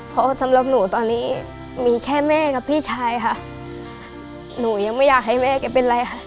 เพราะสำหรับหนูตอนนี้มีแค่แม่กับพี่ชายค่ะหนูยังไม่อยากให้แม่แกเป็นไรค่ะ